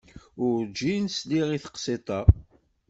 Urǧin sliɣ i teqsiḍt-a.